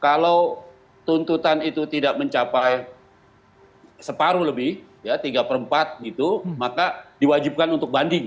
kalau tuntutan itu tidak mencapai separuh lebih ya tiga per empat gitu maka diwajibkan untuk banding